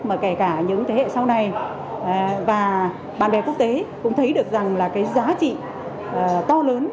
mà kể cả những thế hệ sau này và bạn bè quốc tế cũng thấy được rằng là cái giá trị to lớn